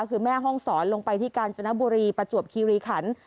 คือแม่ห้องศรลงไปที่กาญจนบุรีประจวบคีรีขัน